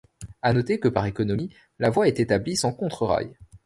A noter que par économie, la voie est établie sans contre rails.